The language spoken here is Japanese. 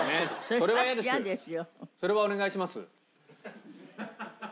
それはお願いします。